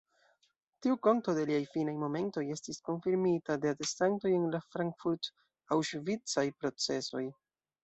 Tiu konto de liaj finaj momentoj estis konfirmita de atestantoj en la frankfurt-aŭŝvicaj procesoj.